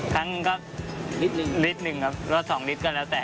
ครั้งก็ลิตรหนึ่งครับรถสองลิตรก็แล้วแต่